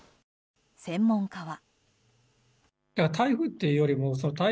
専門家は。